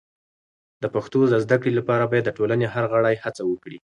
د پښتو د زده کړې لپاره باید د ټولنې هر غړی هڅه وکړي.